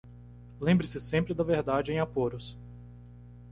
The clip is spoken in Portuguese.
Lembre-se sempre da verdade em apuros